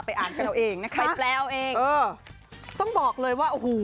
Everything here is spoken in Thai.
ไปอ่านกันเอาเองนะคะเออต้องบอกเลยว่าโอ้โห